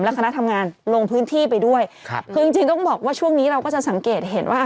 คณะทำงานลงพื้นที่ไปด้วยครับคือจริงจริงต้องบอกว่าช่วงนี้เราก็จะสังเกตเห็นว่า